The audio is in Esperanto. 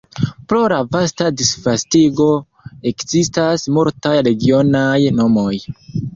Pro la vasta disvastigo ekzistas multaj regionaj nomoj.